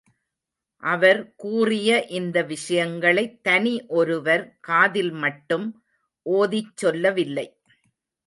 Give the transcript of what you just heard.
அவர் கூறிய இந்த விஷயங்களைத் தனி ஒருவர் காதில் மட்டும் ஓதிச் சொல்லவில்லை.